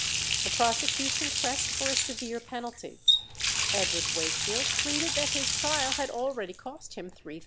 The prosecution pressed for a severe penalty. Edward Wakefield pleaded that his trial had already cost him £3000.